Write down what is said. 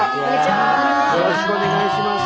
よろしくお願いします。